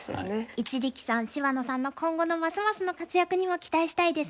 一力さん芝野さんの今後のますますの活躍にも期待したいですね。